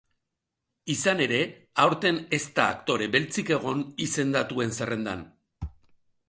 Izan ere, aurten ez da aktore beltzik egon izendatuen zerrendan.